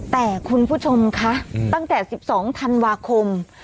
แต่คุณผู้ชมคะตั้งแต่๑๒ธันวาคม